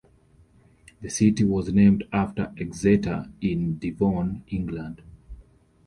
The city was named after Exeter in Devon, England.